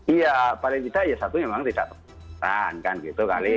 iya paling kita ya satu memang tidak tepat sasaran kan gitu kali